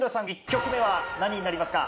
１曲目は何になりますか？